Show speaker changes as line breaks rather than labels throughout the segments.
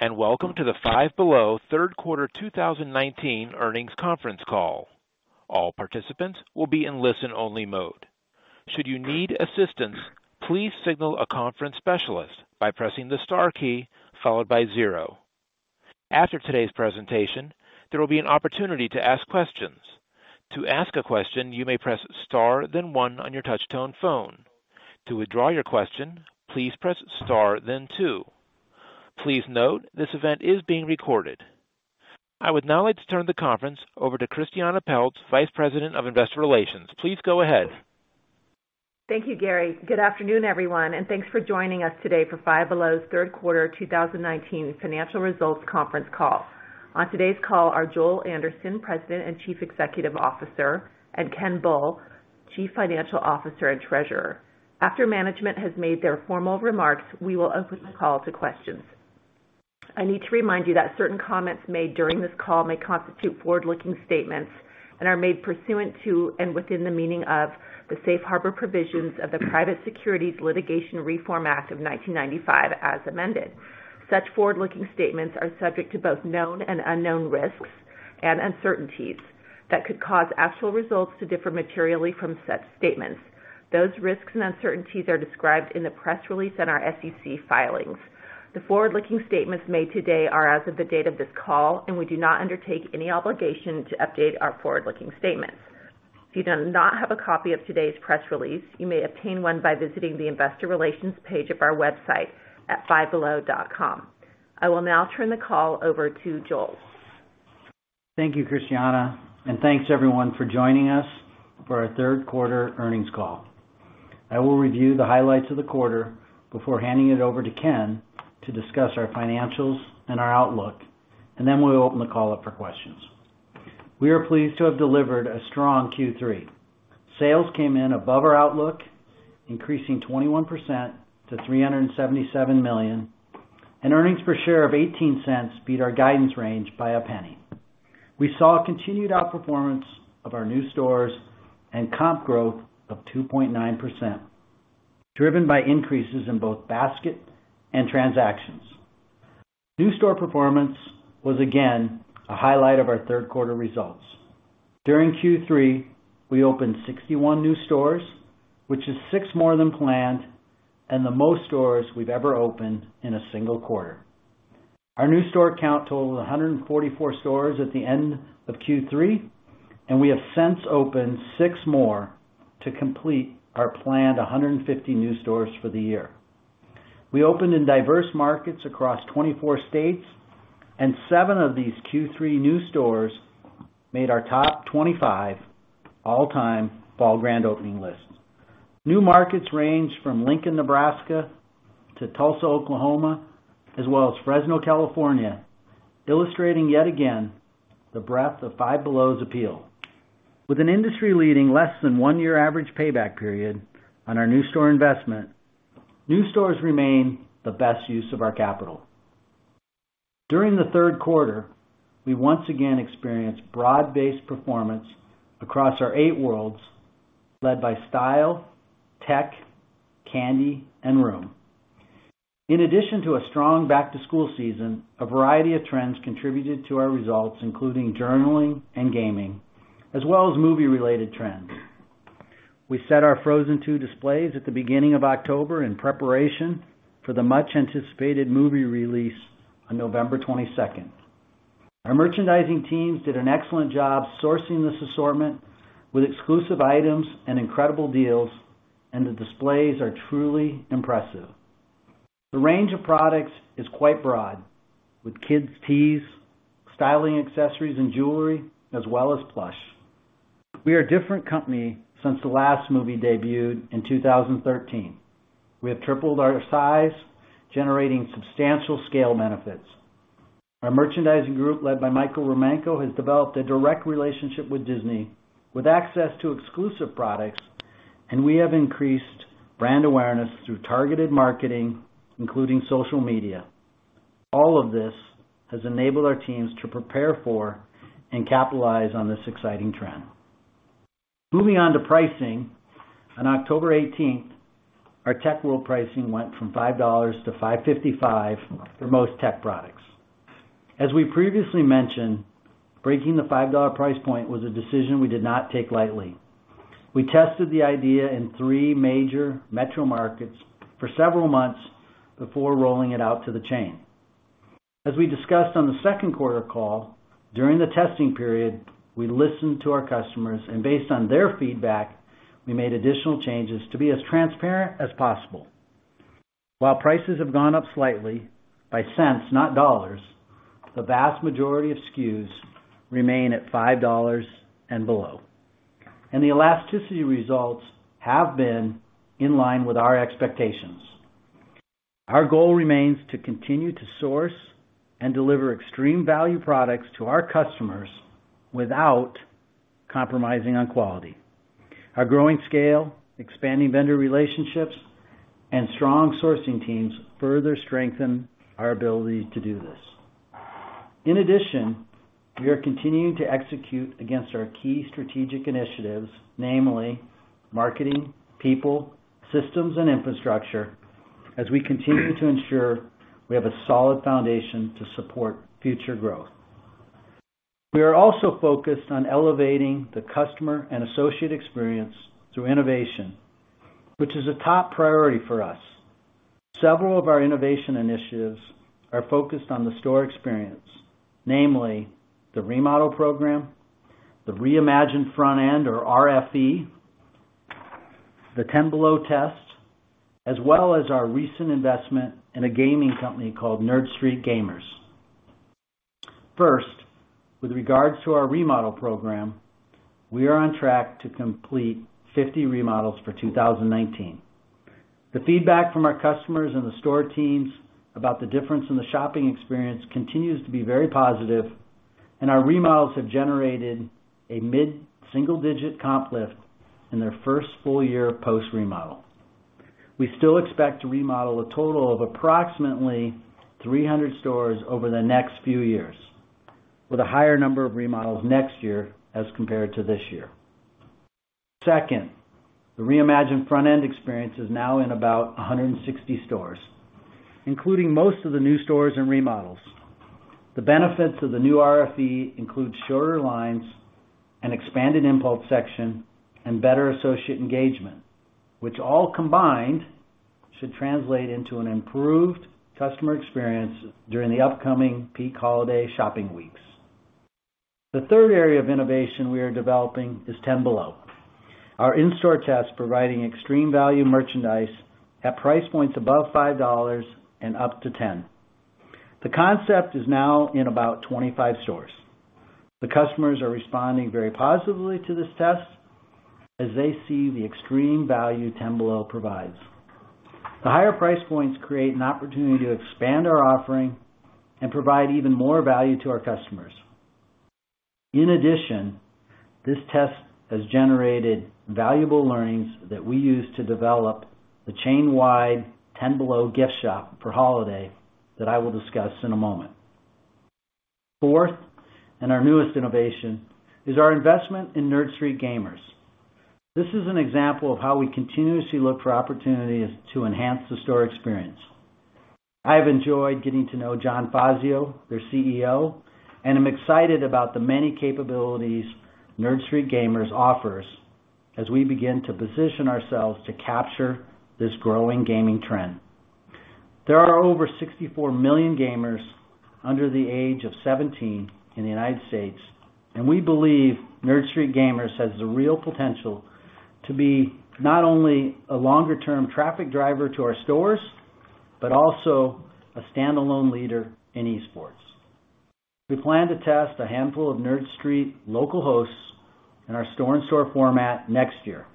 Noon, and welcome to the Five Below Quarter 2019 Earnings Conference Call. All participants will be in listen-only mode. Should you need assistance, please signal a conference specialist by pressing the star key followed by zero. After today's presentation, there will be an opportunity to ask questions. To ask a question, you may press star, then one on your touch-tone phone. To withdraw your question, please press star, then two. Please note this event is being recorded. I would now like to turn the conference over to Christiane Pelz, Vice President of Investor Relations. Please go ahead.
Thank you, Gary. Good afternoon, everyone, and thanks for joining us today for Five Below Quarter 2019 Financial Results Conference Call. On today's call are Joel Anderson, President and Chief Executive Officer, and Ken Bull, Chief Financial Officer and Treasurer. After management has made their formal remarks, we will open the call to questions. I need to remind you that certain comments made during this call may constitute forward-looking statements and are made pursuant to and within the meaning of the Safe Harbor Provisions of the Private Securities Litigation Reform Act of 1995, as amended. Such forward-looking statements are subject to both known and unknown risks and uncertainties that could cause actual results to differ materially from such statements. Those risks and uncertainties are described in the press release and our SEC filings. The forward-looking statements made today are as of the date of this call, and we do not undertake any obligation to update our forward-looking statements. If you do not have a copy of today's press release, you may obtain one by visiting the Investor Relations page of our website at fivebelow.com. I will now turn the call over to Joel.
Thank you, Christiane, and thanks everyone for joining us for our Third Quarter Earnings Call. I will review the highlights of the quarter before handing it over to Ken to discuss our financials and our outlook, and then we'll open the call up for questions. We are pleased to have delivered a strong Q3. Sales came in above our outlook, increasing 21% to $377 million, and earnings per share of $0.18 beat our guidance range by a penny. We saw continued outperformance of our new stores and comp growth of 2.9%, driven by increases in both basket and transactions. New store performance was again a highlight of our Third Quarter Results. During Q3, we opened 61 new stores, which is six more than planned and the most stores we've ever opened in a single quarter. Our new store count totaled 144 stores at the end of Q3, and we have since opened six more to complete our planned 150 new stores for the year. We opened in diverse markets across 24 states, and seven of these Q3 new stores made our top 25 all-time fall grand opening lists. New markets ranged from Lincoln, Nebraska, to Tulsa, Oklahoma, as well as Fresno, California, illustrating yet again the breadth of Five Below's appeal. With an industry-leading less-than-one-year average payback period on our new store investment, new stores remain the best use of our capital. During the third Quarter, we once again experienced broad-based performance across our eight worlds, led by style, tech, candy, and room. In addition to a strong back-to-school season, a variety of trends contributed to our results, including journaling and gaming, as well as movie-related trends. We set our Frozen 2 displays at the beginning of October in preparation for the much-anticipated movie release on November 22nd. Our merchandising teams did an excellent job sourcing this assortment with exclusive items and incredible deals, and the displays are truly impressive. The range of products is quite broad, with kids' tees, styling accessories, and jewelry, as well as plush. We are a different company since the last movie debuted in 2013. We have tripled our size, generating substantial scale benefits. Our merchandising group, led by Michael Romanko, has developed a direct relationship with Disney, with access to exclusive products, and we have increased brand awareness through targeted marketing, including social media. All of this has enabled our teams to prepare for and capitalize on this exciting trend. Moving on to pricing, on October 18th, our tech world pricing went from $5-$5.55 for most tech products. As we previously mentioned, breaking the $5 price point was a decision we did not take lightly. We tested the idea in three major metro markets for several months before rolling it out to the chain. As we discussed on the Second Quarter Call, during the testing period, we listened to our customers, and based on their feedback, we made additional changes to be as transparent as possible. While prices have gone up slightly by cents, not dollars, the vast majority of SKUs remain at $5 and below, and the elasticity results have been in line with our expectations. Our goal remains to continue to source and deliver extreme value products to our customers without compromising on quality. Our growing scale, expanding vendor relationships, and strong sourcing teams further strengthen our ability to do this. In addition, we are continuing to execute against our key strategic initiatives, namely marketing, people, systems, and infrastructure, as we continue to ensure we have a solid foundation to support future growth. We are also focused on elevating the customer and associate experience through innovation, which is a top priority for us. Several of our innovation initiatives are focused on the store experience, namely the remodel program, the Reimagined Front End, or RFE, the 10 Below Test, as well as our recent investment in a gaming company called Nerd Street Gamers. First, with regards to our remodel program, we are on track to complete 50 remodels for 2019. The feedback from our customers and the store teams about the difference in the shopping experience continues to be very positive, and our remodels have generated a mid-single-digit comp lift in their first full year post-remodel. We still expect to remodel a total of approximately 300 stores over the next few years, with a higher number of remodels next year as compared to this year. Second, the reimagined front end experience is now in about 160 stores, including most of the new stores and remodels. The benefits of the new RFE include shorter lines, an expanded impulse section, and better associate engagement, which all combined should translate into an improved customer experience during the upcoming peak holiday shopping weeks. The third area of innovation we are developing is 10 Below, our in-store test providing extreme value merchandise at price points above $5 and up to $10. The concept is now in about 25 stores. The customers are responding very positively to this test as they see the extreme value 10 Below provides. The higher price points create an opportunity to expand our offering and provide even more value to our customers. In addition, this test has generated valuable learnings that we use to develop the chain-wide 10 Below Gift Shop for holiday that I will discuss in a moment. Fourth, and our newest innovation, is our investment in Nerd Street Gamers. This is an example of how we continuously look for opportunities to enhance the store experience. I have enjoyed getting to know John Fazio, their CEO, and I'm excited about the many capabilities Nerd Street Gamers offers as we begin to position ourselves to capture this growing gaming trend. There are over 64 million gamers under the age of 17 in the United States, and we believe Nerd Street Gamers has the real potential to be not only a longer-term traffic driver to our stores but also a standalone leader in esports. We plan to test a handful of Nerd Street local hosts in our store-in-store format next year.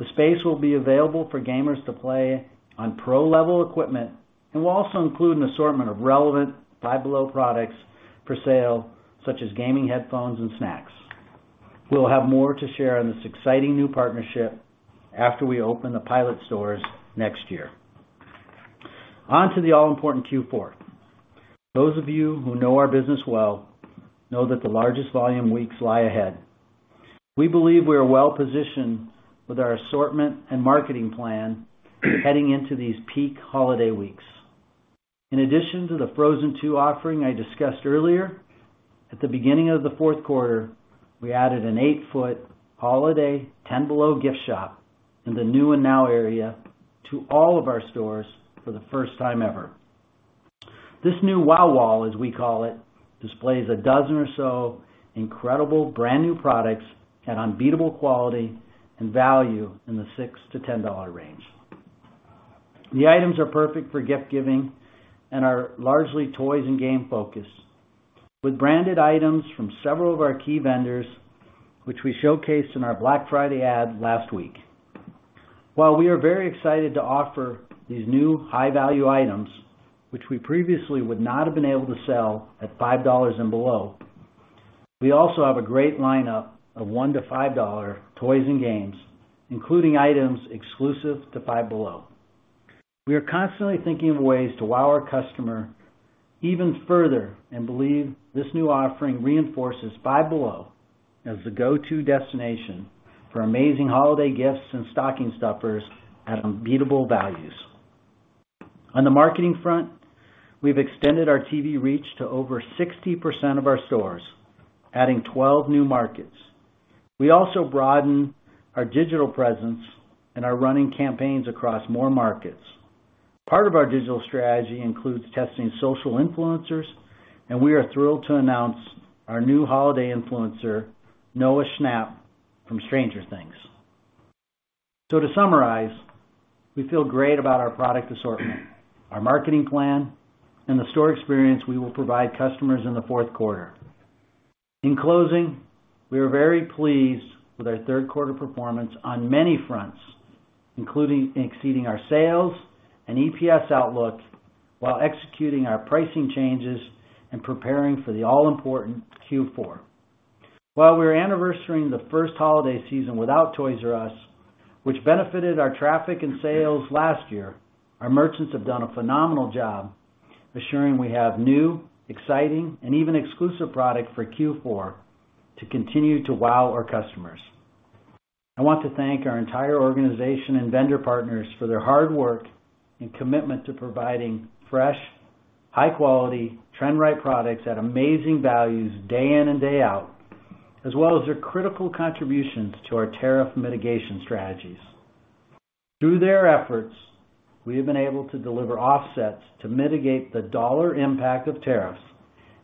The space will be available for gamers to play on pro-level equipment, and we'll also include an assortment of relevant Five Below products for sale, such as gaming headphones and snacks. We'll have more to share in this exciting new partnership after we open the pilot stores next year. On to the all-important Q4. Those of you who know our business well know that the largest volume weeks lie ahead. We believe we are well-positioned with our assortment and marketing plan heading into these peak holiday weeks. In addition to the Frozen 2 offering I discussed earlier, at the beginning of the quarter, we added an eight-ft holiday 10 Below Gift Shop in the new and now area to all of our stores for the first time ever. This new wow-wall, as we call it, displays a dozen or so incredible brand-new products at unbeatable quality and value in the $6-$10 range. The items are perfect for gift-giving and are largely toys and game focused, with branded items from several of our key vendors, which we showcased in our Black Friday ad last week. While we are very excited to offer these new high-value items, which we previously would not have been able to sell at $5 and below, we also have a great lineup of $1-$5 toys and games, including items exclusive to Five Below. We are constantly thinking of ways to wow our customer even further and believe this new offering reinforces Five Below as the go-to destination for amazing holiday gifts and stocking stuffers at unbeatable values. On the marketing front, we've extended our TV reach to over 60% of our stores, adding 12 new markets. We also broaden our digital presence and are running campaigns across more markets. Part of our digital strategy includes testing social influencers, and we are thrilled to announce our new holiday influencer, Noah Schnapp, from Stranger Things. To summarize, we feel great about our product assortment, our marketing plan, and the store experience we will provide customers in the fourth quarter. In closing, we are very pleased with our third quarter performance on many fronts, including exceeding our sales and EPS outlook while executing our pricing changes and preparing for the all-important Q4. While we are anniversarying the first holiday season without Toys "R" Us, which benefited our traffic and sales last year, our merchants have done a phenomenal job assuring we have new, exciting, and even exclusive products for Q4 to continue to wow our customers. I want to thank our entire organization and vendor partners for their hard work and commitment to providing fresh, high-quality, trend-right products at amazing values day in and day out, as well as their critical contributions to our tariff mitigation strategies. Through their efforts, we have been able to deliver offsets to mitigate the dollar impact of tariffs,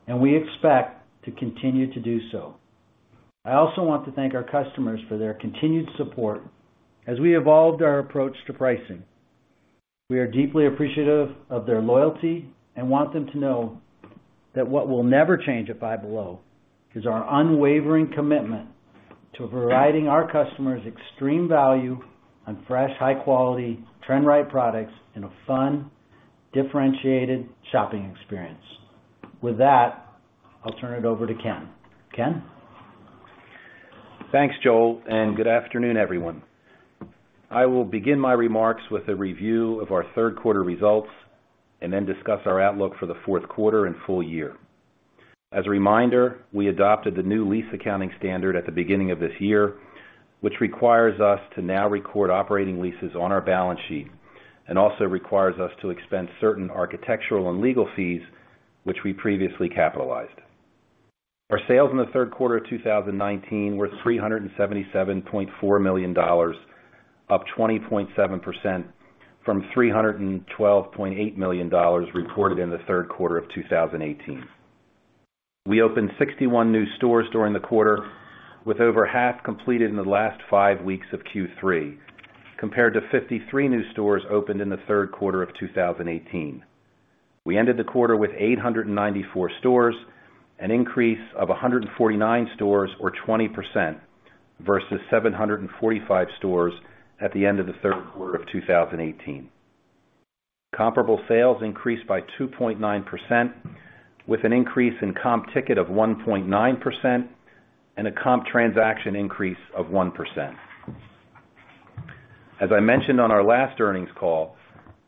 and we expect to continue to do so. I also want to thank our customers for their continued support as we evolved our approach to pricing. We are deeply appreciative of their loyalty and want them to know that what will never change at Five Below is our unwavering commitment to providing our customers extreme value on fresh, high-quality, trend-right products in a fun, differentiated shopping experience. With that, I'll turn it over to Ken. Ken.
Thanks, Joel, and good afternoon, everyone. I will begin my remarks with a review of our quarter two results and then discuss our outlook for the quarter two and full year. As a reminder, we adopted the new lease accounting standard at the beginning of this year, which requires us to now record operating leases on our balance sheet and also requires us to expense certain architectural and legal fees, which we previously capitalized. Our sales in the quarter two of 2019 were $377.4 million, up 20.7% from $312.8 million reported in the third quarter of 2018. We opened 61 new stores during the quarter, with over half completed in the last five weeks of Q3, compared to 53 new stores opened in the quarter of 2018. We ended the quarter with 894 stores, an increase of 149 stores, or 20%, versus 745 stores at the end of the quarter of 2018. Comparable sales increased by 2.9%, with an increase in comp ticket of 1.9% and a comp transaction increase of 1%. As I mentioned on our last earnings call,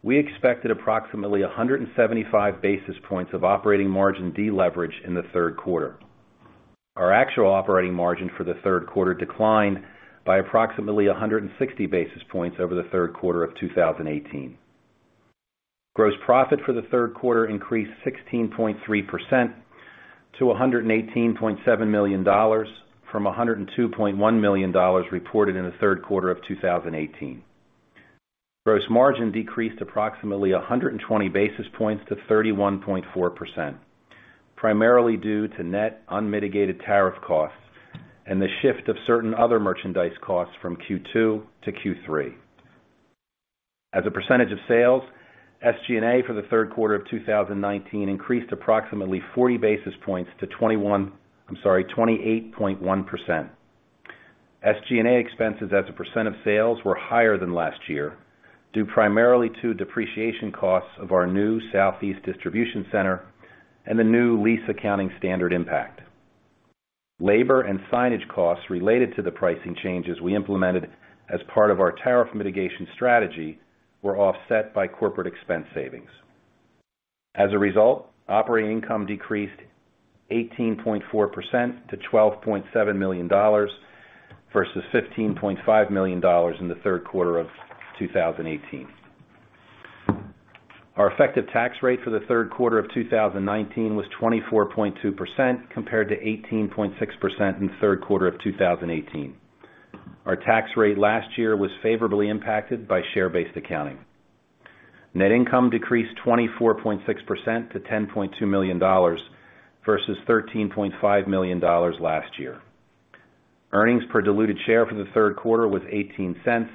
we expected approximately 175 basis points of operating margin deleverage in the quarter. Our actual operating margin for the quarter declined by approximately 160 basis points over the quarter of 2018. Gross profit for the quarter increased 16.3% to $118.7 million from $102.1 million reported in the quarter of 2018. Gross margin decreased approximately 120 basis points to 31.4%, primarily due to net unmitigated tariff costs and the shift of certain other merchandise costs from Q2 to Q3. As a percentage of sales, SG&A for the quarter of 2019 increased approximately 40 basis points to 28.1%. SG&A expenses as a percent of sales were higher than last year due primarily to depreciation costs of our new Southeast Distribution Center and the new lease accounting standard impact. Labor and signage costs related to the pricing changes we implemented as part of our tariff mitigation strategy were offset by corporate expense savings. As a result, operating income decreased 18.4% to $12.7 million versus $15.5 million in the quarter of 2018. Our effective tax rate for the quarter of 2019 was 24.2% compared to 18.6% in the quarter of 2018. Our tax rate last year was favorably impacted by share-based accounting. Net income decreased 24.6% to $10.2 million versus $13.5 million last year. Earnings per diluted share for the quarter was $0.18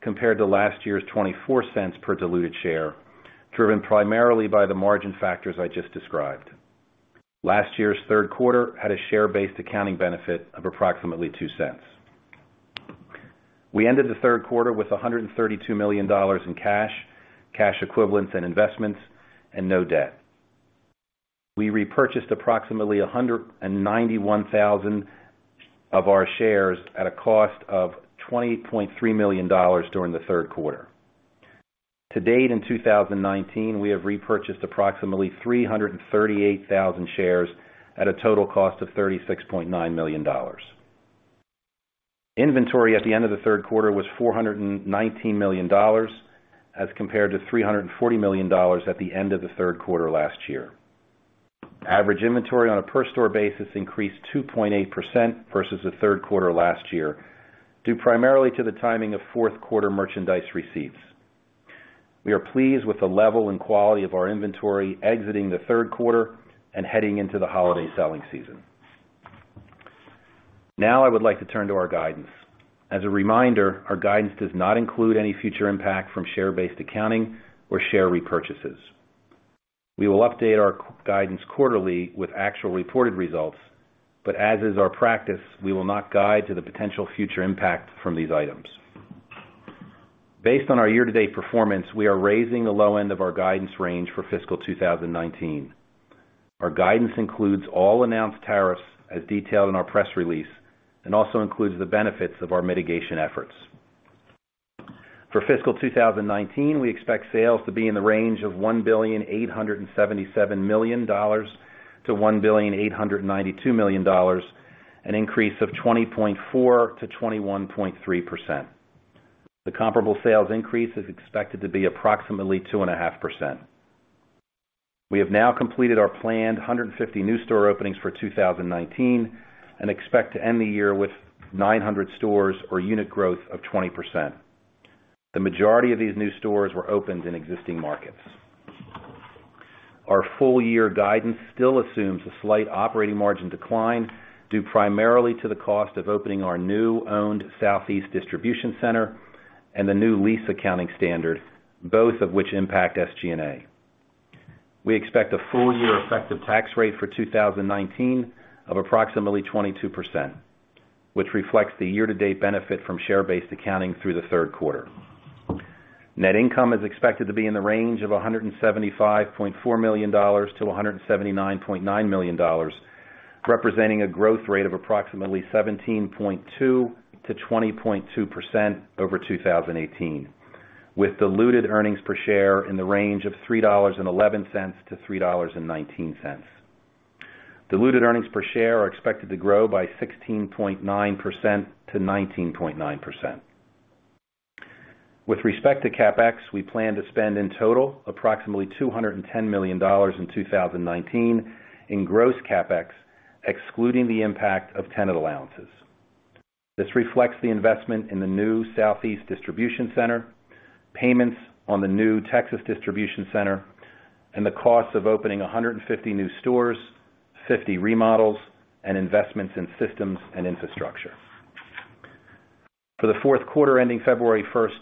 compared to last year's $0.24 per diluted share, driven primarily by the margin factors I just described. Last year's quarter had a share-based accounting benefit of approximately $0.02. We ended the quarter with $132 million in cash, cash equivalents, and investments, and no debt. We repurchased approximately 191,000 of our shares at a cost of $20.3 million during the quarter. To date in 2019, we have repurchased approximately 338,000 shares at a total cost of $36.9 million. Inventory at the end of the quarter was $419 million as compared to $340 million at the end of the quarter last year. Average inventory on a per-store basis increased 2.8% versus the third quarter last year due primarily to the timing of quarter two merchandise receipts. We are pleased with the level and quality of our inventory exiting the quarter and heading into the holiday selling season. Now, I would like to turn to our guidance. As a reminder, our guidance does not include any future impact from share-based accounting or share repurchases. We will update our guidance quarterly with actual reported results, but as is our practice, we will not guide to the potential future impact from these items. Based on our year-to-date performance, we are raising the low end of our guidance range for fiscal 2019. Our guidance includes all announced tariffs as detailed in our press release and also includes the benefits of our mitigation efforts. For fiscal 2019, we expect sales to be in the range of $1,877,000-$1,892,000, an increase of 20.4%-21.3%. The comparable sales increase is expected to be approximately 2.5%. We have now completed our planned 150 new store openings for 2019 and expect to end the year with 900 stores or unit growth of 20%. The majority of these new stores were opened in existing markets. Our full-year guidance still assumes a slight operating margin decline due primarily to the cost of opening our new owned Southeast Distribution Center and the new lease accounting standard, both of which impact SG&A. We expect a full-year effective tax rate for 2019 of approximately 22%, which reflects the year-to-date benefit from share-based accounting through the quarter. Net income is expected to be in the range of $175.4 million-$179.9 million, representing a growth rate of approximately 17.2%-20.2% over 2018, with diluted earnings per share in the range of $3.11-$3.19. Diluted earnings per share are expected to grow by 16.9%-19.9%. With respect to CapEx, we plan to spend in total approximately $210 million in 2019 in gross CapEx, excluding the impact of tenant allowances. This reflects the investment in the new Southeast Distribution Center, payments on the new Texas Distribution Center, and the cost of opening 150 new stores, 50 remodels, and investments in systems and infrastructure. For the fourth quarter ending February 1st,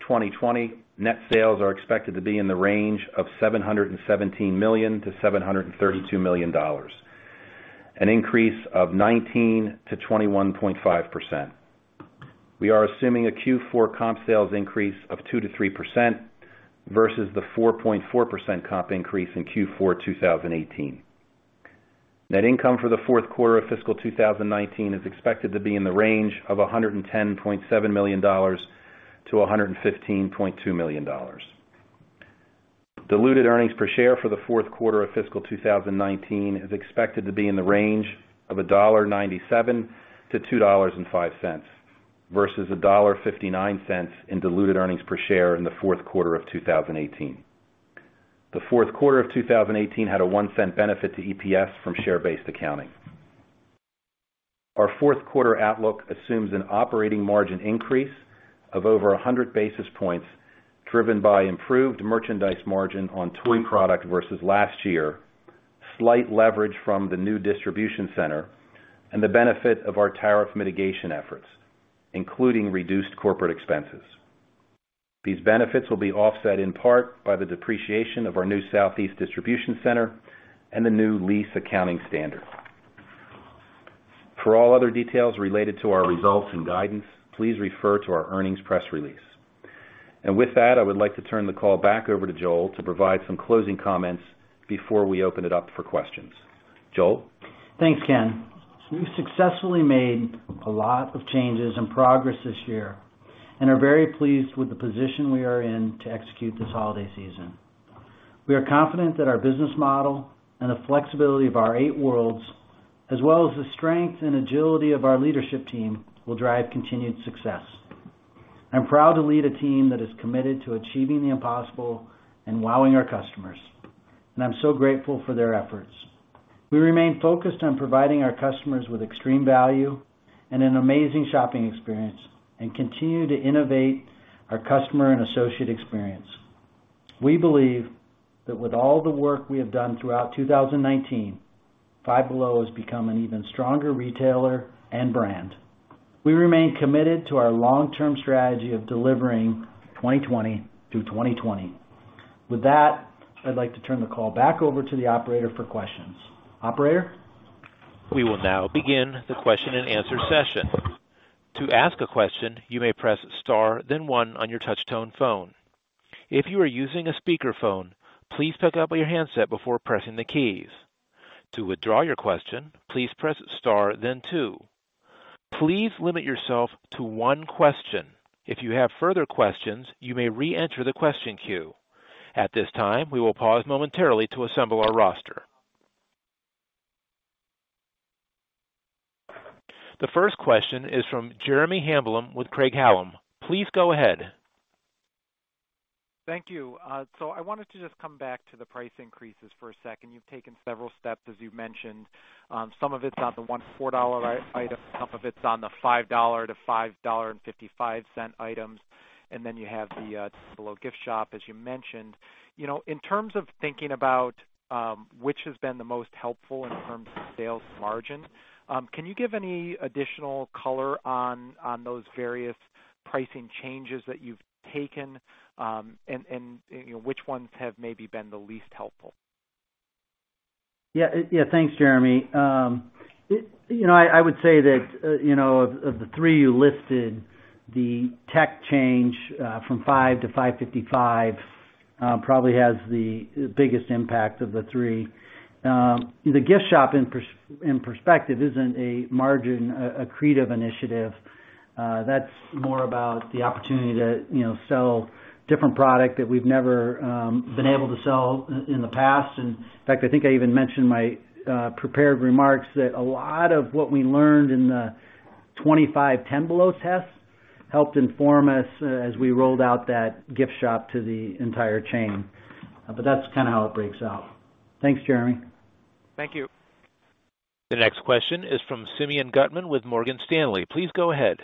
2020, net sales are expected to be in the range of $717 million-$732 million, an increase of 19.0%-21.5%. We are assuming a Q4 comp sales increase of 2%-3% versus the 4.4% comp increase in Q4 2018. Net income for the fourth quarter of fiscal 2019 is expected to be in the range of $110.7 million-$115.2 million. Diluted earnings per share for the quarter two of fiscal 2019 is expected to be in the range of $1.97-$2.05 versus $1.59 in diluted earnings per share in the fourth quarter of 2018. The fourth quarter of 2018 had a 1-cent benefit to EPS from share-based accounting. Our quarter two outlook assumes an operating margin increase of over 100 basis points driven by improved merchandise margin on toy product versus last year, slight leverage from the new distribution center, and the benefit of our tariff mitigation efforts, including reduced corporate expenses. These benefits will be offset in part by the depreciation of our new Southeast Distribution Center and the new lease accounting standard. For all other details related to our results and guidance, please refer to our earnings press release. With that, I would like to turn the call back over to Joel to provide some closing comments before we open it up for questions. Joel.
Thanks, Ken. We have successfully made a lot of changes and progress this year and are very pleased with the position we are in to execute this holiday season. We are confident that our business model and the flexibility of our eight worlds, as well as the strength and agility of our leadership team, will drive continued success. I am proud to lead a team that is committed to achieving the impossible and wowing our customers, and I am so grateful for their efforts. We remain focused on providing our customers with extreme value and an amazing shopping experience and continue to innovate our customer and associate experience. We believe that with all the work we have done throughout 2019, Five Below has become an even stronger retailer and brand. We remain committed to our long-term strategy of delivering 2020 through 2020. With that, I'd like to turn the call back over to the operator for questions. Operator.
We will now begin the question and answer session. To ask a question, you may press star, then one on your touch-tone phone. If you are using a speakerphone, please pick up your handset before pressing the keys. To withdraw your question, please press star, then two. Please limit yourself to one question. If you have further questions, you may re-enter the question queue. At this time, we will pause momentarily to assemble our roster. The first question is from Jeremy Hamblin with Craig-Hallum. Please go ahead. Thank you.
I wanted to just come back to the price increases for a second. You've taken several steps, as you've mentioned. Some of it's on the $1-$4 items, some of it's on the $5-$5.55 items, and then you have the Below gift shop, as you mentioned. In terms of thinking about which has been the most helpful in terms of sales margin, can you give any additional color on those various pricing changes that you've taken and which ones have maybe been the least helpful?
Yeah. Thanks, Jeremy. I would say that of the three you listed, the tech change from $5-$5.55 probably has the biggest impact of the three. The gift shop, in perspective, isn't a margin accretive initiative. That's more about the opportunity to sell different product that we've never been able to sell in the past. In fact, I think I even mentioned in my prepared remarks that a lot of what we learned in the 25 10 Below Test helped inform us as we rolled out that gift shop to the entire chain. That is kind of how it breaks out. Thanks, Jeremy.
Thank you.
The next question is from Simeon Gutman with Morgan Stanley. Please go ahead.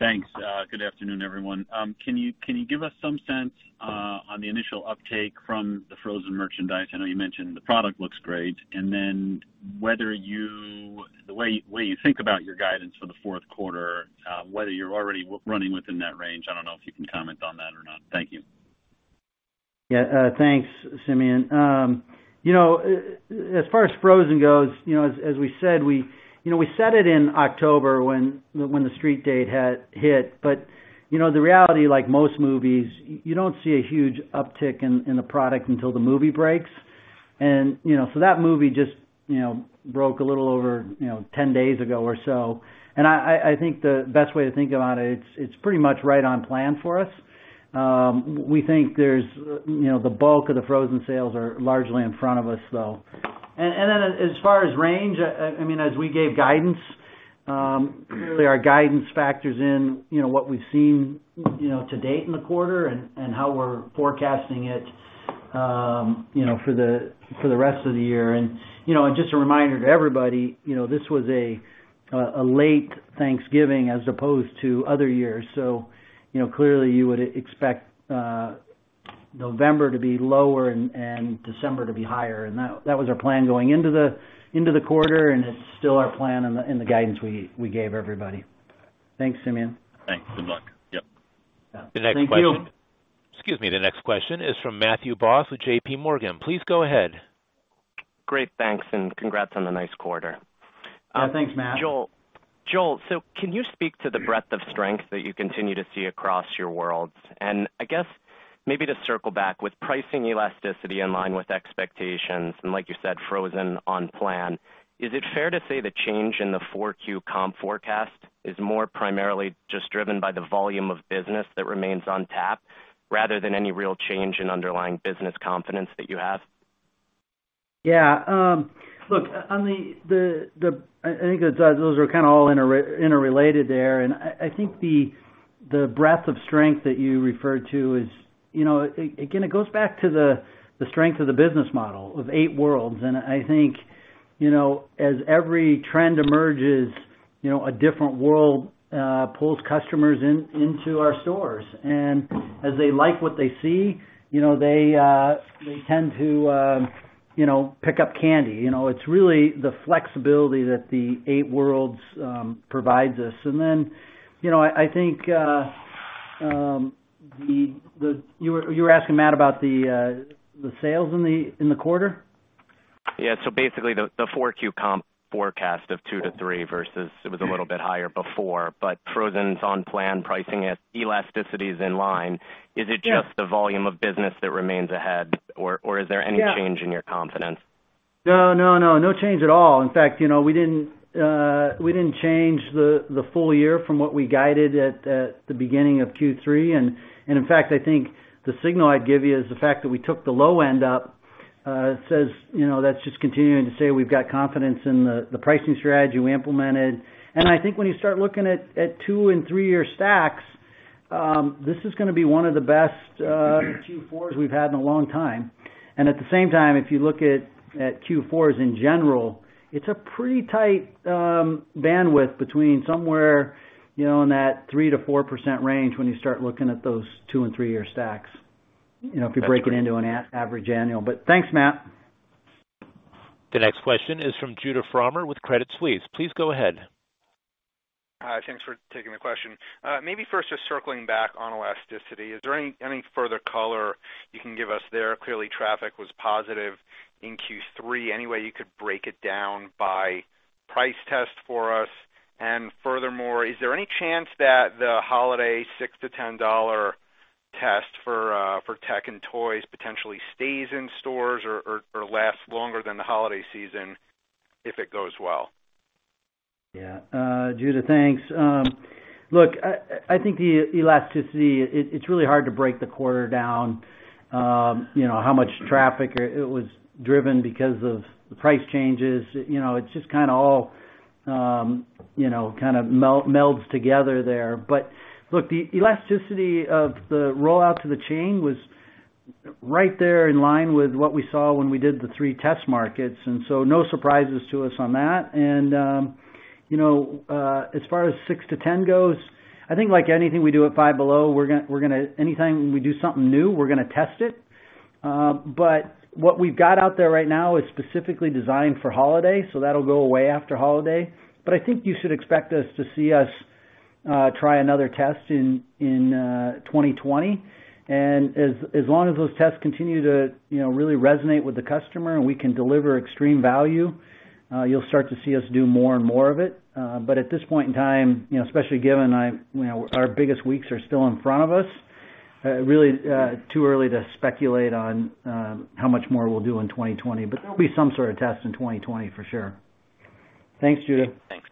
Thanks. Good afternoon, everyone. Can you give us some sense on the initial uptake from the Frozen merchandise? I know you mentioned the product looks great, and then the way you think about your guidance for the quarter, whether you are already running within that range. I do not know if you can comment on that or not. Thank you.
Yeah. Thanks, Simeon. As far as Frozen goes, as we said, we set it in October when the street date hit, but the reality, like most movies, you do not see a huge uptick in the product until the movie breaks. That movie just broke a little over 10 days ago or so. I think the best way to think about it, it is pretty much right on plan for us. We think the bulk of the Frozen sales are largely in front of us, though. As far as range, I mean, as we gave guidance, clearly our guidance factors in what we have seen to date in the quarter and how we are forecasting it for the rest of the year. Just a reminder to everybody, this was a late Thanksgiving as opposed to other years. Clearly, you would expect November to be lower and December to be higher. That was our plan going into the quarter, and it's still our plan and the guidance we gave everybody. Thanks, Simeon.
Thanks. Good luck. Yep.
The next question.
Thank you.
Excuse me. The next question is from Matthew Boss with JP Morgan. Please go ahead.
Great. Thanks, and congrats on the nice quarter. Yeah.
Thanks, Matt.
Joel. Joel, can you speak to the breadth of strength that you continue to see across your world? And I guess maybe to circle back with pricing elasticity in line with expectations and, like you said, frozen on plan, is it fair to say the change in the 4Q comp forecast is more primarily just driven by the volume of business that remains on tap rather than any real change in underlying business confidence that you have?
Yeah. Look, I think those are kind of all interrelated there. I think the breadth of strength that you referred to is, again, it goes back to the strength of the business model of eight worlds. I think as every trend emerges, a different world pulls customers into our stores. As they like what they see, they tend to pick up candy. It's really the flexibility that the eight worlds provides us. I think you were asking Matt about the sales in the quarter?
Yeah. Basically, the 4Q comp forecast of 2%-3% versus it was a little bit higher before, but Frozen's on plan, pricing elasticity is in line. Is it just the volume of business that remains ahead, or is there any change in your confidence?
No, no, no. No change at all. In fact, we did not change the full year from what we guided at the beginning of Q3. In fact, I think the signal I'd give you is the fact that we took the low end up. That's just continuing to say we've got confidence in the pricing strategy we implemented. I think when you start looking at two and three-year stacks, this is going to be one of the best Q4s we've had in a long time. At the same time, if you look at Q4s in general, it's a pretty tight bandwidth between somewhere in that 3%-4% range when you start looking at those two and three-year stacks if you break it into an average annual. Thanks, Matt.
The next question is from Judah Frommer with Credit Suisse. Please go ahead.
Hi. Thanks for taking the question. Maybe first just circling back on elasticity. Is there any further color you can give us there? Clearly, traffic was positive in Q3. Any way you could break it down by price test for us? Furthermore, is there any chance that the holiday $6-$10 test for tech and toys potentially stays in stores or lasts longer than the holiday season if it goes well?
Yeah. Judah, thanks. Look, I think the elasticity, it's really hard to break the quarter down. How much traffic it was driven because of the price changes, it just kind of all kind of melds together there. Look, the elasticity of the rollout to the chain was right there in line with what we saw when we did the three test markets. No surprises to us on that. As far as 6-10 goes, I think like anything we do at Five Below, anytime we do something new, we're going to test it. What we've got out there right now is specifically designed for holiday, so that'll go away after holiday. I think you should expect to see us try another test in 2020. As long as those tests continue to really resonate with the customer and we can deliver extreme value, you'll start to see us do more and more of it. At this point in time, especially given our biggest weeks are still in front of us, it's really too early to speculate on how much more we'll do in 2020. There'll be some sort of test in 2020 for sure. Thanks, Judah.
Thanks.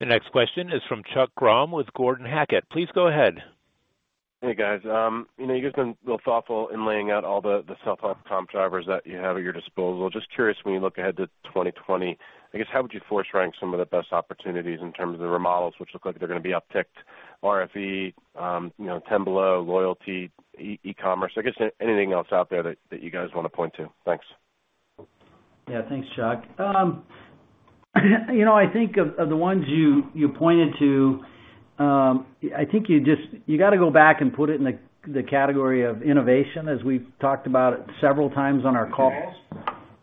The next question is from Chuck Grom with Gordon Haskett. Please go ahead.
Hey, guys. You guys have been real thoughtful in laying out all the self-on comp drivers that you have at your disposal. Just curious, when you look ahead to 2020, I guess how would you force rank some of the best opportunities in terms of the remodels which look like they're going to be upticked? RFE, Ten Below, Loyalty, e-commerce. I guess anything else out there that you guys want to point to? Thanks.
Yeah. Thanks, Chuck. I think of the ones you pointed to, I think you got to go back and put it in the category of innovation as we've talked about several times on our calls.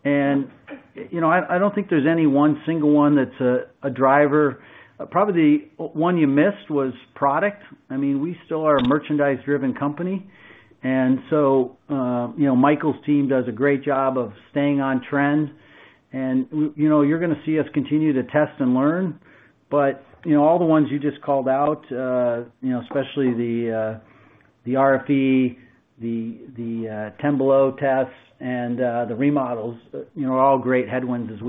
I don't think there's any one single one that's a driver. Probably the one you missed was product. I mean, we still are a merchandise-driven company. Michael's team does a great job of staying on trend. You're going to see us continue to test and learn. All the ones you just called out, especially the RFE, the Ten Below tests, and the remodels, are all great headwinds as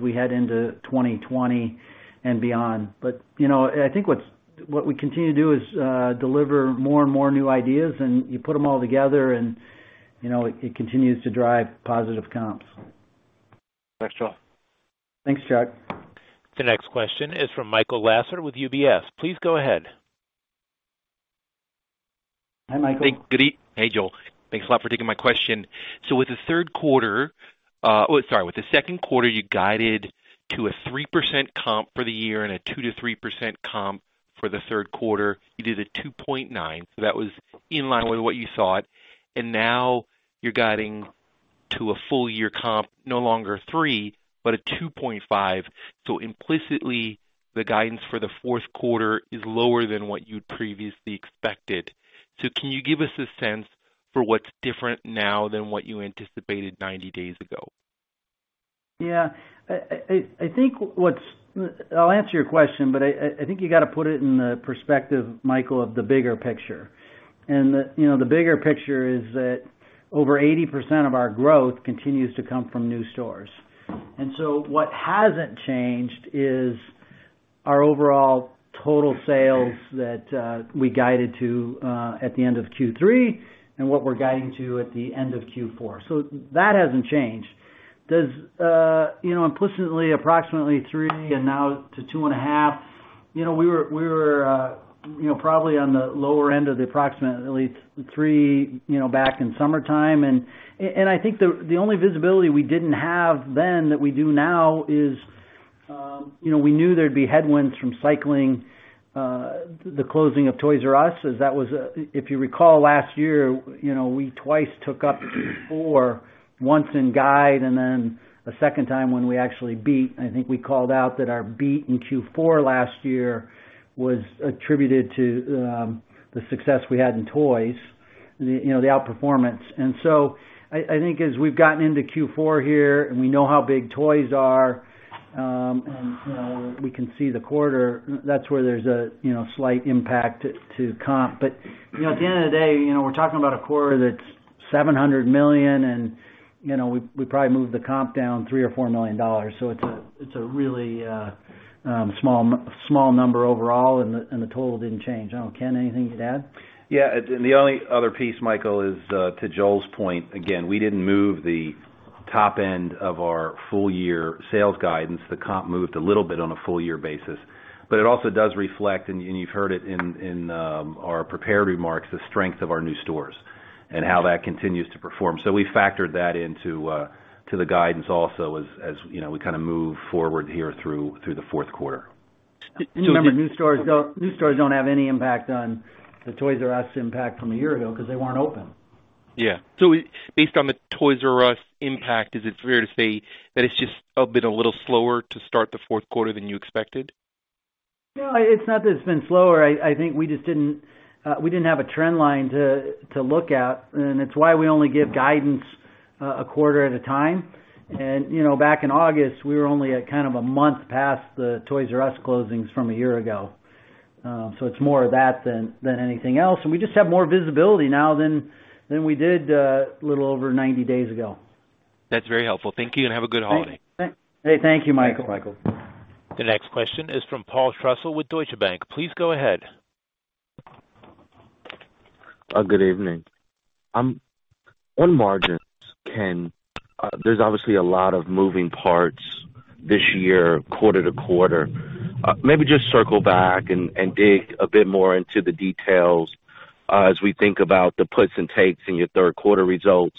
we head into 2020 and beyond. I think what we continue to do is deliver more and more new ideas, and you put them all together, and it continues to drive positive comps.
Thanks, Joel.
Thanks, Chuck.
The next question is from Michael Lasser with UBS. Please go ahead.
Hi, Michael.
Good evening. Hey, Joel. Thanks a lot for taking my question. With the third quarter, oh, sorry, with the second quarter, you guided to a 3% comp for the year and a 2%-3% comp for the third quarter. You did a 2.9%. That was in line with what you saw it. Now you're guiding to a full-year comp, no longer 3%, but a 2.5%. Implicitly, the guidance for the fourth quarter is lower than what you'd previously expected. Can you give us a sense for what's different now than what you anticipated 90 days ago?
Yeah. I think I'll answer your question, but I think you got to put it in the perspective, Michael, of the bigger picture. The bigger picture is that over 80% of our growth continues to come from new stores. What hasn't changed is our overall total sales that we guided to at the end of Q3 and what we're guiding to at the end of Q4. That hasn't changed. Does implicitly, approximately three and now to 2.5, we were probably on the lower end of the approximately three back in summertime. I think the only visibility we did not have then that we do now is we knew there would be headwinds from cycling the closing of Toys "R" Us. If you recall, last year, we twice took up Q4, once in guide, and then a second time when we actually beat. I think we called out that our beat in Q4 last year was attributed to the success we had in toys, the outperformance. I think as we have gotten into Q4 here and we know how big toys are and we can see the quarter, that is where there is a slight impact to comp. At the end of the day, we are talking about a quarter that is $700 million, and we probably moved the comp down $3 million or $4 million. It is a really small number overall, and the total did not change. I don't know, Ken, anything you'd add?
Yeah. And the only other piece, Michael, is to Joel's point. Again, we didn't move the top end of our full-year sales guidance. The comp moved a little bit on a full-year basis. It also does reflect, and you've heard it in our prepared remarks, the strength of our new stores and how that continues to perform. We factored that into the guidance also as we kind of move forward here through the fourth quarter.
Remember, new stores don't have any impact on the Toys "R" Us impact from a year ago because they weren't open.
Yeah. Based on the Toys "R" Us impact, is it fair to say that it's just been a little slower to start the fourth quarter than you expected?
No, it's not that it's been slower. I think we just did not have a trend line to look at. It is why we only give guidance a quarter at a time. Back in August, we were only at kind of a month past the Toys "R" Us closings from a year ago. It is more of that than anything else. We just have more visibility now than we did a little over 90 days ago.
That is very helpful. Thank you, and have a good holiday.
Hey, thank you, Michael.
Thanks, Michael.
The next question is from Paul Trussell with Deutsche Bank. Please go ahead.
Good evening. On margins, Ken, there is obviously a lot of moving parts this year, quarter-to-quarter. Maybe just circle back and dig a bit more into the details as we think about the puts and takes in your third quarter results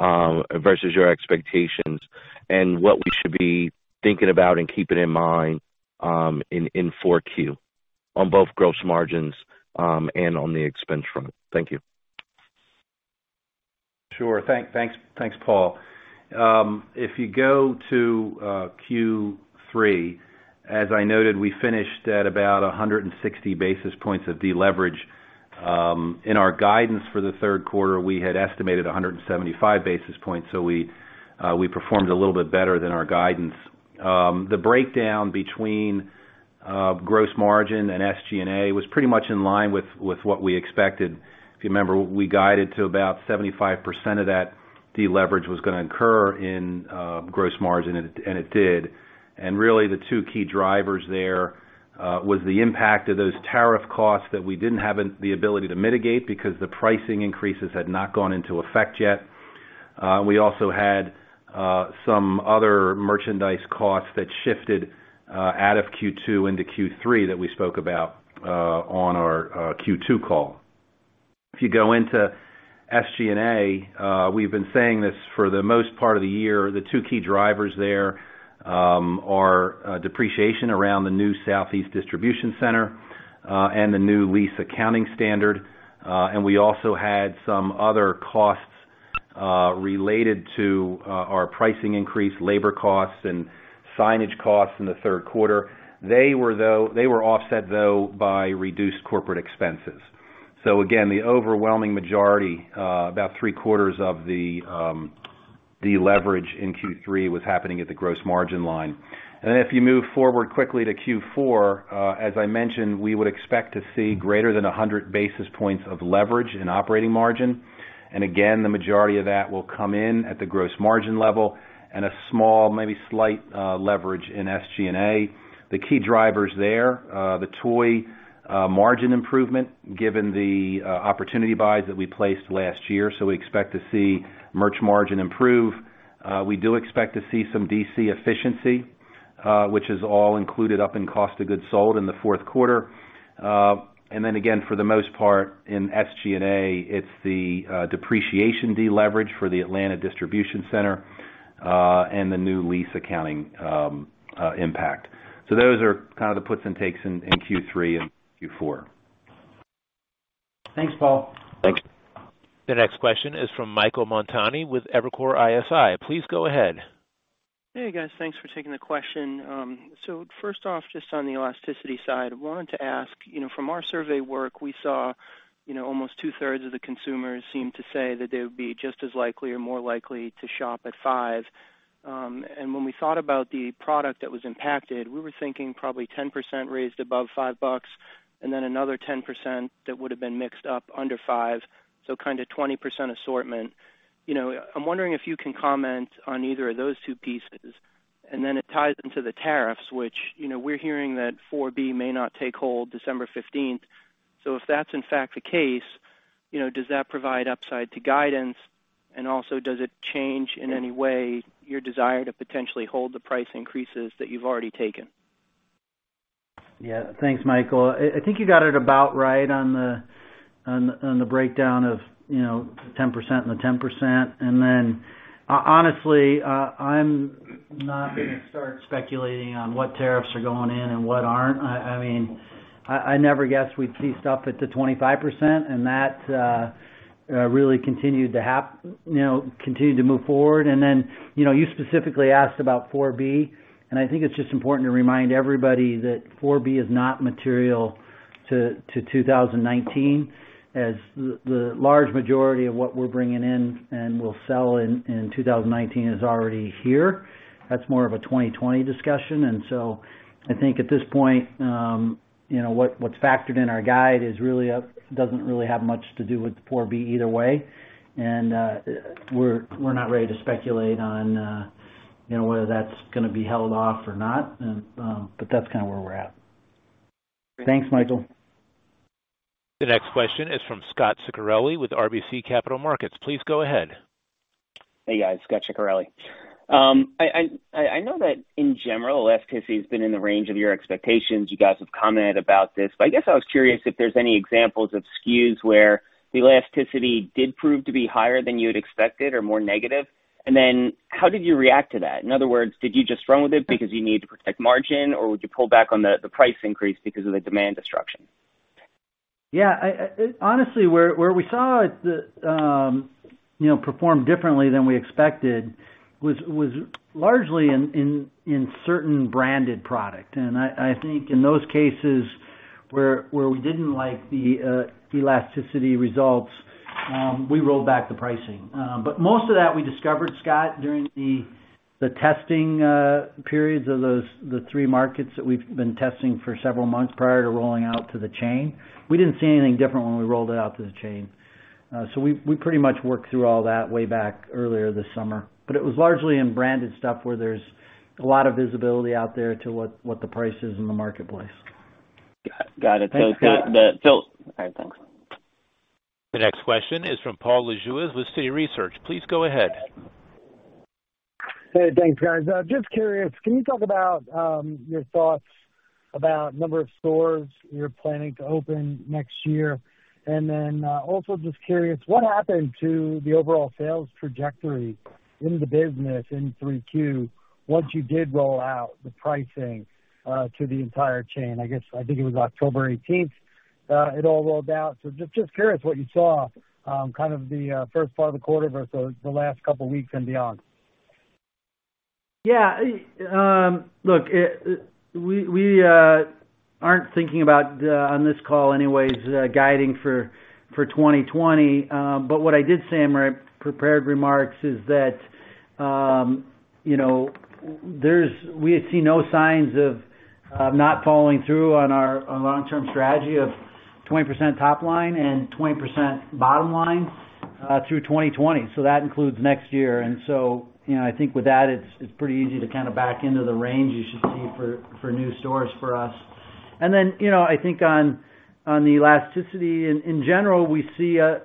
versus your expectations and what we should be thinking about and keeping in mind in 4Q on both gross margins and on the expense front. Thank you.
Sure. Thanks, Paul. If you go to Q3, as I noted, we finished at about 160 basis points of deleverage. In our guidance for the third quarter, we had estimated 175 basis points, so we performed a little bit better than our guidance. The breakdown between gross margin and SG&A was pretty much in line with what we expected. If you remember, we guided to about 75% of that deleverage was going to occur in gross margin, and it did. Really, the two key drivers there was the impact of those tariff costs that we did not have the ability to mitigate because the pricing increases had not gone into effect yet. We also had some other merchandise costs that shifted out of Q2 into Q3 that we spoke about on our Q2 call. If you go into SG&A, we have been saying this for the most part of the year. The two key drivers there are depreciation around the new Southeast Distribution Center and the new lease accounting standard. We also had some other costs related to our pricing increase, labor costs, and signage costs in the third quarter. They were offset, though, by reduced corporate expenses. Again, the overwhelming majority, about three-quarters of the deleverage in Q3, was happening at the gross margin line. If you move forward quickly to Q4, as I mentioned, we would expect to see greater than 100 basis points of leverage in operating margin. Again, the majority of that will come in at the gross margin level and a small, maybe slight leverage in SG&A. The key drivers there, the toy margin improvement, given the opportunity buys that we placed last year. We expect to see merch margin improve. We do expect to see some DC efficiency, which is all included up in cost of goods sold in the fourth quarter. Again, for the most part, in SG&A, it is the depreciation deleverage for the Atlanta Distribution Center and the new lease accounting impact. Those are kind of the puts and takes in Q3 and Q4.
Thanks, Paul.
Thanks.
The next question is from Michael Montani with Evercore ISI. Please go ahead.
Hey, guys. Thanks for taking the question. First off, just on the elasticity side, I wanted to ask, from our survey work, we saw almost two-thirds of the consumers seem to say that they would be just as likely or more likely to shop at Five. When we thought about the product that was impacted, we were thinking probably 10% raised above $5 and then another 10% that would have been mixed up under $5, so kind of 20% assortment. I'm wondering if you can comment on either of those two pieces. It ties into the tariffs, which we're hearing that 4B may not take hold December 15th. If that's in fact the case, does that provide upside to guidance? Also, does it change in any way your desire to potentially hold the price increases that you've already taken?
Yeah. Thanks, Michael. I think you got it about right on the breakdown of 10% and the 10%. And then honestly, I'm not going to start speculating on what tariffs are going in and what aren't. I mean, I never guessed we'd see stuff at the 25%, and that really continued to move forward. You specifically asked about 4B. I think it's just important to remind everybody that 4B is not material to 2019, as the large majority of what we're bringing in and will sell in 2019 is already here. That's more of a 2020 discussion. I think at this point, what's factored in our guide doesn't really have much to do with 4B either way. We're not ready to speculate on whether that's going to be held off or not. That's kind of where we're at. Thanks, Michael.
The next question is from Scot Ciccarelli with RBC Capital Markets. Please go ahead.
Hey, guys. Scot Ciccarelli. I know that in general, elasticity has been in the range of your expectations. You guys have commented about this. I guess I was curious if there's any examples of SKUs where the elasticity did prove to be higher than you had expected or more negative. How did you react to that? In other words, did you just run with it because you needed to protect margin, or would you pull back on the price increase because of the demand destruction?
Yeah. Honestly, where we saw it perform differently than we expected was largely in certain branded products. I think in those cases where we did not like the elasticity results, we rolled back the pricing. Most of that, we discovered, Scott, during the testing periods of the three markets that we have been testing for several months prior to rolling out to the chain. We did not see anything different when we rolled it out to the chain. We pretty much worked through all that way back earlier this summer. It was largely in branded stuff where there is a lot of visibility out there to what the price is in the marketplace.
Got it.
All right. Thanks.
The next question is from Paul Lejuez with Citi Research. Please go ahead.
Hey, thanks, guys. Just curious, can you talk about your thoughts about the number of stores you are planning to open next year? Also just curious, what happened to the overall sales trajectory in the business in 3Q once you did roll out the pricing to the entire chain? I think it was October 18th it all rolled out. So just curious what you saw kind of the first part of the quarter versus the last couple of weeks and beyond.
Yeah. Look, we aren't thinking about, on this call anyways, guiding for 2020. But what I did say in my prepared remarks is that we had seen no signs of not following through on our long-term strategy of 20% top line and 20% bottom line through 2020. So that includes next year. And so I think with that, it's pretty easy to kind of back into the range you should see for new stores for us. And then I think on the elasticity, in general, we see a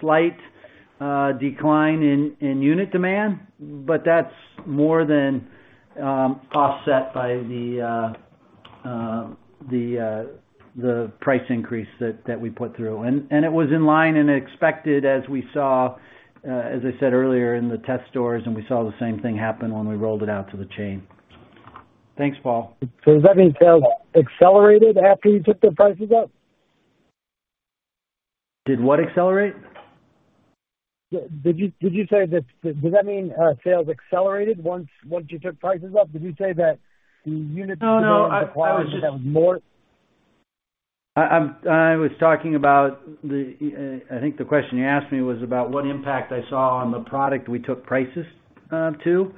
slight decline in unit demand, but that's more than offset by the price increase that we put through. It was in line and expected as we saw, as I said earlier, in the test stores, and we saw the same thing happen when we rolled it out to the chain. Thanks, Paul.
Does that mean sales accelerated after you took the prices up?
Did what accelerate?
Did you say that does that mean sales accelerated once you took prices up? Did you say that the unit demand required that was more?
I was talking about the I think the question you asked me was about what impact I saw on the product we took prices to.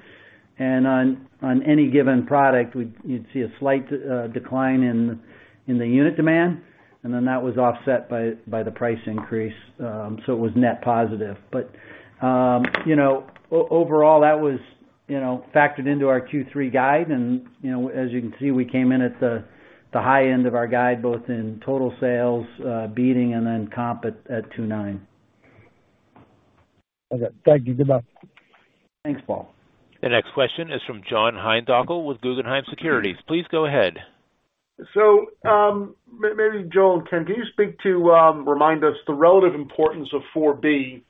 On any given product, you'd see a slight decline in the unit demand. That was offset by the price increase. It was net positive. Overall, that was factored into our Q3 guide. As you can see, we came in at the high end of our guide, both in total sales, beating, and then comp at 2.9%.
Okay. Thank you. Goodbye.
Thanks, Paul.
The next question is from John Heinbockel with Guggenheim Securities. Please go ahead.
Maybe Joel and Ken, can you speak to remind us the relative importance of 4B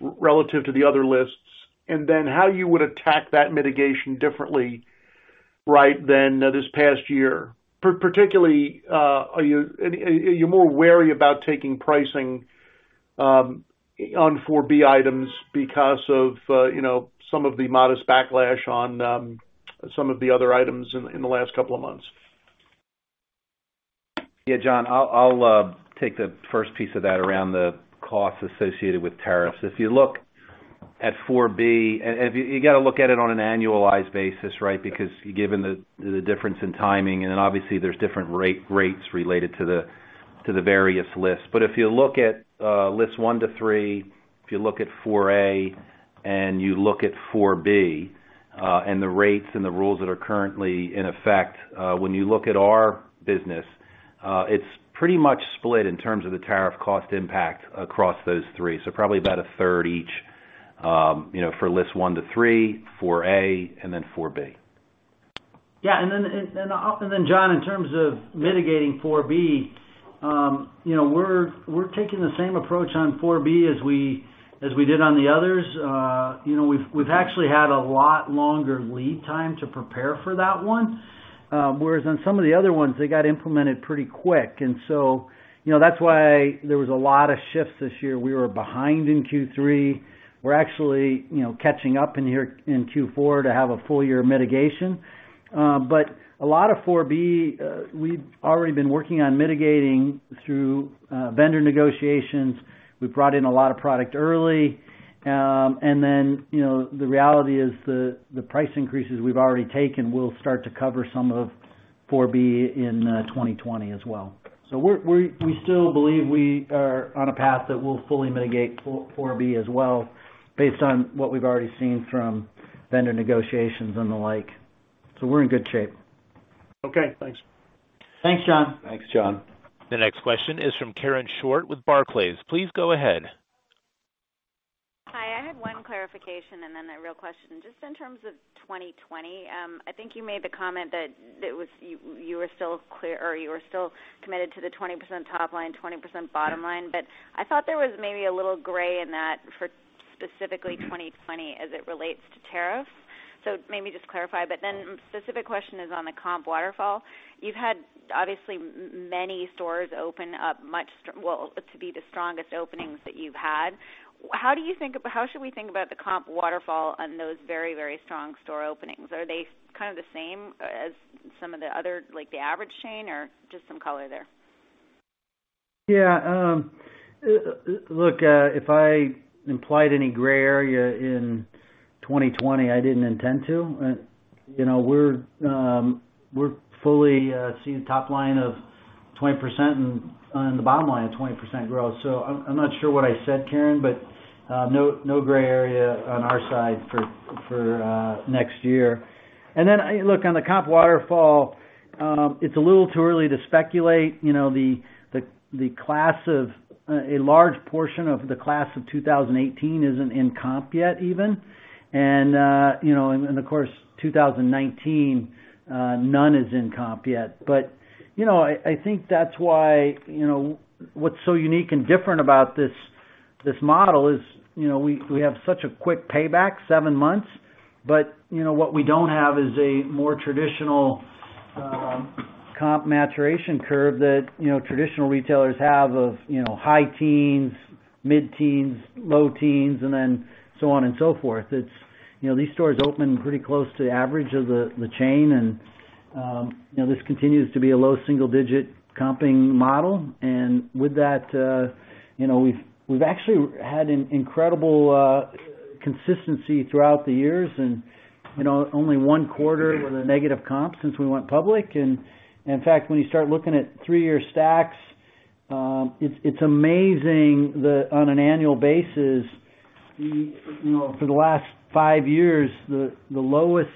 relative to the other lists and then how you would attack that mitigation differently than this past year? Particularly, are you more wary about taking pricing on 4B items because of some of the modest backlash on some of the other items in the last couple of months?
Yeah, John, I'll take the first piece of that around the costs associated with tariffs. If you look at 4B, and you have to look at it on an annualized basis, right, because given the difference in timing. Obviously, there are different rates related to the various lists. If you look at lists one to three, if you look at 4A and you look at 4B and the rates and the rules that are currently in effect, when you look at our business, it is pretty much split in terms of the tariff cost impact across those three. So probably about a third each for lists one to three, 4A, and then 4B.
Yeah. John, in terms of mitigating 4B, we are taking the same approach on 4B as we did on the others. We have actually had a lot longer lead time to prepare for that one, whereas on some of the other ones, they got implemented pretty quick. That is why there was a lot of shifts this year. We were behind in Q3. We're actually catching up in here in Q4 to have a full year of mitigation. A lot of 4B, we've already been working on mitigating through vendor negotiations. We've brought in a lot of product early. The reality is the price increases we've already taken will start to cover some of 4B in 2020 as well. We still believe we are on a path that will fully mitigate 4B as well based on what we've already seen from vendor negotiations and the like. We're in good shape.
Okay. Thanks.
Thanks, John.
The next question is from Karen Short with Barclays. Please go ahead.
Hi. I had one clarification and then a real question. Just in terms of 2020, I think you made the comment that you were still clear or you were still committed to the 20% top line, 20% bottom line. I thought there was maybe a little gray in that for specifically 2020 as it relates to tariffs. Maybe just clarify. The specific question is on the Comp Waterfall. You've had obviously many stores open up, much, well, to be the strongest openings that you've had. How do you think about, how should we think about the Comp Waterfall on those very, very strong store openings? Are they kind of the same as some of the other, like the average chain, or just some color there?
Yeah. Look, if I implied any gray area in 2020, I didn't intend to. We're fully seeing top line of 20% and the bottom line of 20% growth. I'm not sure what I said, Karen, but no gray area on our side for next year. On the Comp Waterfall, it's a little too early to speculate. The class of a large portion of the class of 2018 is not in comp yet even. Of course, 2019, none is in comp yet. I think that is why what is so unique and different about this model is we have such a quick payback, seven months. What we do not have is a more traditional comp maturation curve that traditional retailers have of high-teens, mid-teens, low-teens, and then so on and so forth. These stores open pretty close to the average of the chain. This continues to be a low single-digit comping model. With that, we have actually had an incredible consistency throughout the years. Only one quarter was a negative comp since we went public. In fact, when you start looking at three-year stacks, it's amazing that on an annual basis, for the last five years, the lowest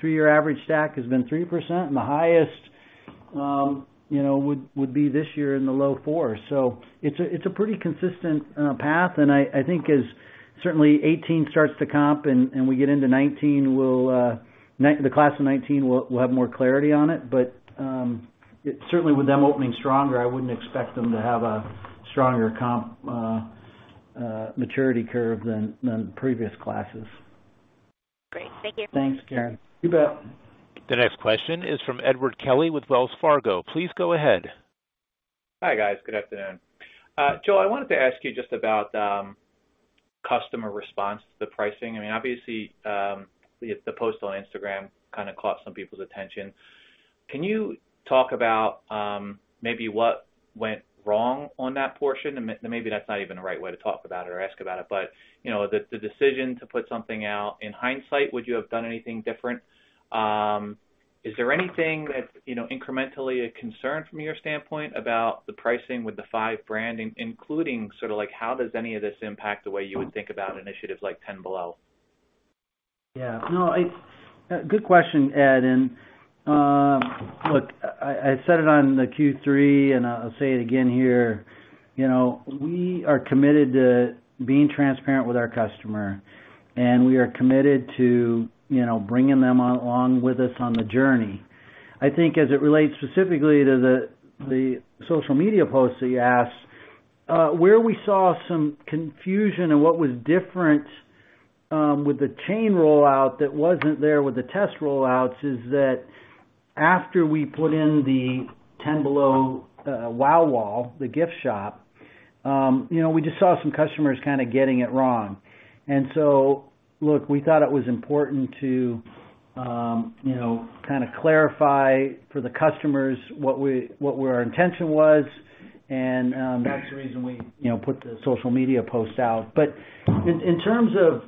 three-year average stack has been 3%, and the highest would be this year in the low 4%. It's a pretty consistent path. I think as certainly 2018 starts to comp and we get into 2019, the class of 2019 will have more clarity on it. Certainly with them opening stronger, I wouldn't expect them to have a stronger comp maturity curve than previous classes.
Great. Thank you.
Thanks, Karen. You bet.
The next question is from Edward Kelly with Wells Fargo. Please go ahead.
Hi, guys. Good afternoon. Joel, I wanted to ask you just about customer response to the pricing. I mean, obviously, the post on Instagram kind of caught some people's attention. Can you talk about maybe what went wrong on that portion? Maybe that's not even the right way to talk about it or ask about it. The decision to put something out, in hindsight, would you have done anything different? Is there anything that's incrementally a concern from your standpoint about the pricing with the Five branding, including sort of how does any of this impact the way you would think about initiatives like Ten Below?
Yeah. No. Good question, Ed. Look, I said it on the Q3, and I'll say it again here. We are committed to being transparent with our customer. We are committed to bringing them along with us on the journey. I think as it relates specifically to the social media posts that you asked, where we saw some confusion and what was different with the chain rollout that was not there with the test rollouts is that after we put in the Ten Below Wow Wall, the gift shop, we just saw some customers kind of getting it wrong. Look, we thought it was important to kind of clarify for the customers what our intention was. That is the reason we put the social media post out. In terms of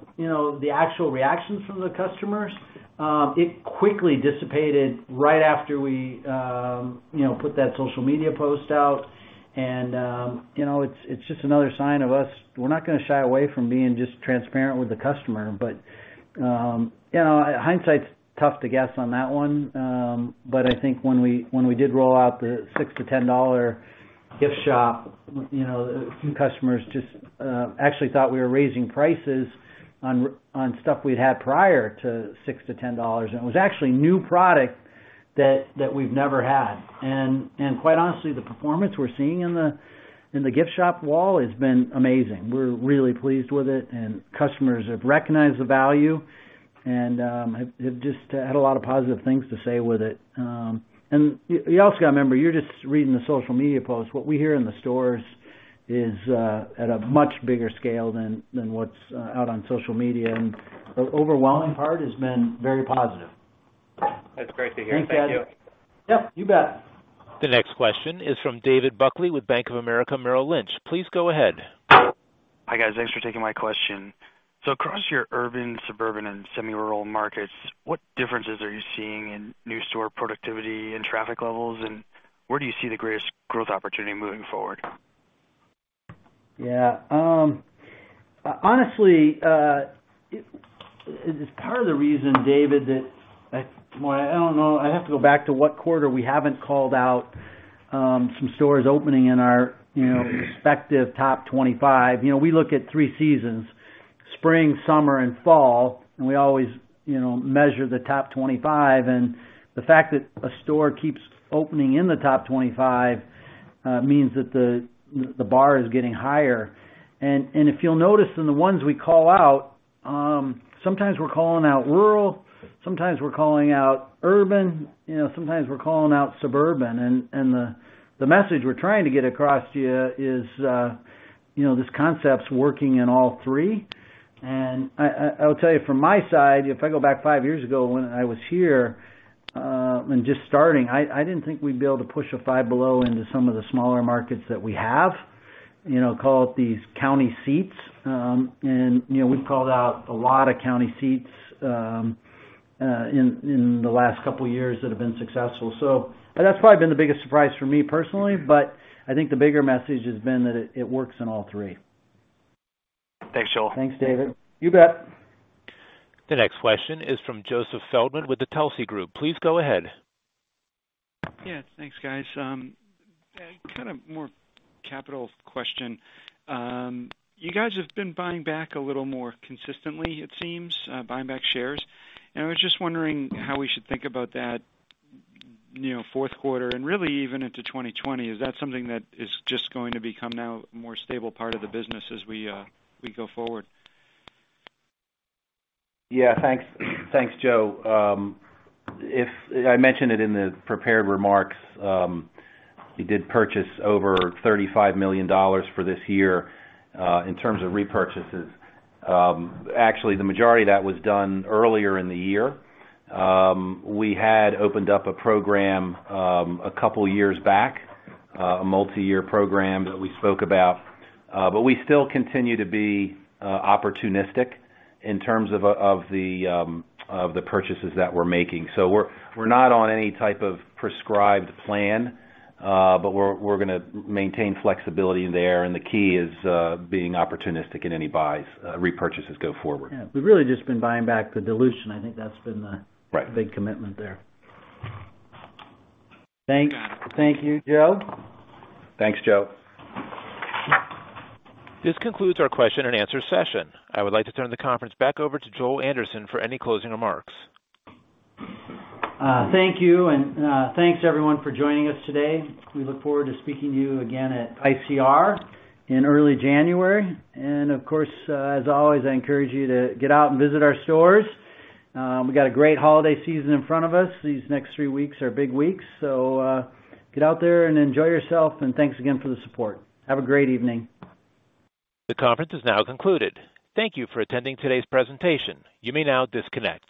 the actual reactions from the customers, it quickly dissipated right after we put that social media post out. It is just another sign of us, we are not going to shy away from being just transparent with the customer. In hindsight, it is tough to guess on that one. I think when we did roll out the $6-$10 gift shop, a few customers just actually thought we were raising prices on stuff we had prior to $6-$10. It was actually new product that we have never had. Quite honestly, the performance we are seeing in the gift shop wall has been amazing. We are really pleased with it. Customers have recognized the value and have just had a lot of positive things to say with it. You also have to remember, you are just reading the social media posts. What we hear in the stores is at a much bigger scale than what is out on social media. The overwhelming part has been very positive.
That is great to hear. Thank you. Thank you.
Yep. You bet.
The next question is from David Buckley with Bank of America Merrill Lynch. Please go ahead.
Hi, guys. Thanks for taking my question. Across your urban, suburban, and semi-rural markets, what differences are you seeing in new store productivity and traffic levels? Where do you see the greatest growth opportunity moving forward?
Yeah. Honestly, it is part of the reason, David, that I do not know. I have to go back to what quarter we have not called out some stores opening in our respective top 25. We look at three seasons: spring, summer, and fall. We always measure the top 25. The fact that a store keeps opening in the top 25 means that the bar is getting higher. If you will notice in the ones we call out, sometimes we are calling out rural, sometimes we are calling out urban, sometimes we are calling out suburban. The message we are trying to get across to you is this concept is working in all three. I'll tell you from my side, if I go back five years ago when I was here and just starting, I didn't think we'd be able to push a Five Below into some of the smaller markets that we have, call it these county seats. We've called out a lot of county seats in the last couple of years that have been successful. That's probably been the biggest surprise for me personally. I think the bigger message has been that it works in all three.
Thanks, Joel.
Thanks, David. You bet.
The next question is from Joseph Feldman with the Telsey Group. Please go ahead.
Yeah. Thanks, guys. Kind of more capital question. You guys have been buying back a little more consistently, it seems, buying back shares. I was just wondering how we should think about that fourth quarter and really even into 2020. Is that something that is just going to become now a more stable part of the business as we go forward?
Yeah. Thanks, Joe. I mentioned it in the prepared remarks. We did purchase over $35 million for this year in terms of repurchases. Actually, the majority of that was done earlier in the year. We had opened up a program a couple of years back, a multi-year program that we spoke about. We still continue to be opportunistic in terms of the purchases that we're making. We're not on any type of prescribed plan, but we're going to maintain flexibility there. The key is being opportunistic in any repurchases go forward.
Yeah. We've really just been buying back the dilution. I think that's been the big commitment there.
Thank you, Joel.
Thanks, Joe.
This concludes our question and answer session. I would like to turn the conference back over to Joel Anderson for any closing remarks.
Thank you. Thanks, everyone, for joining us today. We look forward to speaking to you again at ICR in early January. Of course, as always, I encourage you to get out and visit our stores. We got a great holiday season in front of us. These next three weeks are big weeks. Get out there and enjoy yourself. Thanks again for the support. Have a great evening.
The conference is now concluded. Thank you for attending today's presentation. You may now disconnect.